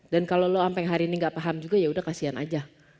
dan kalau lo sampai hari ini gak paham juga yaudah kasian aja